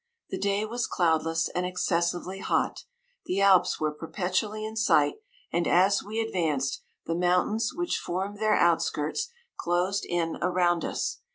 ' The day was cloudless and excessively hot, the Alps were perpetually in sight* and as we advanced, the mountains* which form their outskirts, closed in around us.